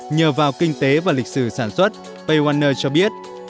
nhờ vào kinh tế và lịch sử sản xuất paywaner cho biết